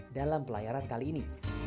dalam pelayaran kali ini